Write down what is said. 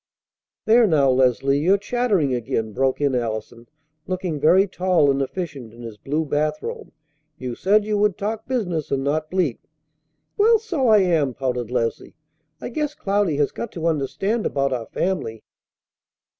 "There, now, Leslie, you're chattering again," broke in Allison, looking very tall and efficient in his blue bath robe. "You said you would talk business, and not bleat." "Well, so I am," pouted Leslie. "I guess Cloudy has got to understand about our family."